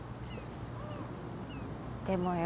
でもよ